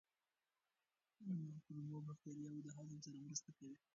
کولمو بکتریاوې د هضم سره مرسته کوي.